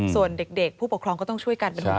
ส่วนเด็กผู้ปกครองก็ต้องช่วยกัน